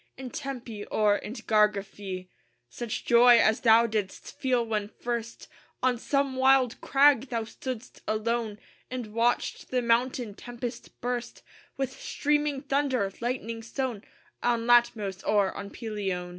In Tempe or in Gargaphie. Such joy as thou didst feel when first, On some wild crag, thou stood'st alone And watched the mountain tempest burst, With streaming thunder, lightning sown, On Latmos or on Pelion.